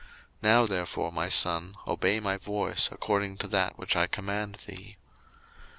01:027:008 Now therefore, my son, obey my voice according to that which I command thee.